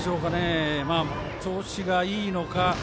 調子がいいのか